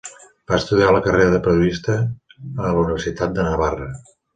Va estudiar la carrera de periodista a la Universitat de Navarra.